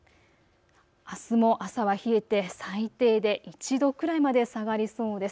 あすも朝は冷えて最低で１度くらいまで下がりそうです。